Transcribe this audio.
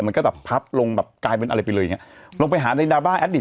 มันก็แบบพับลงแบบกลายเป็นอะไรไปเลยอย่างเงี้ยลงไปหาใน